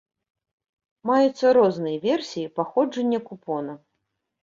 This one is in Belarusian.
Маюцца розныя версіі паходжання купона.